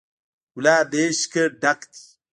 ګلاب د عشق نه ډک دی.